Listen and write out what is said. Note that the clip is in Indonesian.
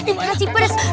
gimana sih pris